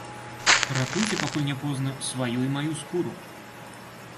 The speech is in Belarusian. Ратуйце, пакуль не позна, сваю і маю скуру!